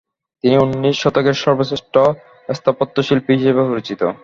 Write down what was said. তিনি উনিশ শতকের সর্বশ্রেষ্ঠ স্থাপত্যশিল্পী হিসাবে পরিচিত।